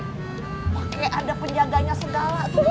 pake ada penjaganya segala